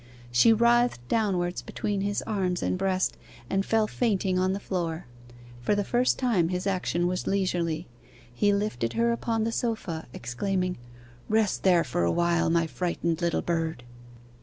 She writhed downwards between his arms and breast, and fell fainting on the floor. For the first time his action was leisurely. He lifted her upon the sofa, exclaiming, 'Rest there for a while, my frightened little bird!